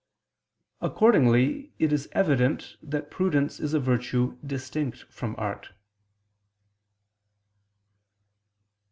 Accordingly it is evident that prudence is a virtue distinct from art.